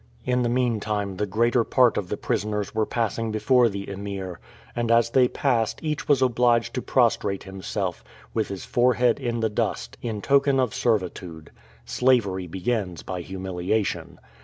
In the meantime the greater part of the prisoners were passing before the Emir, and as they passed each was obliged to prostrate himself, with his forehead in the dust, in token of servitude. Slavery begins by humiliation.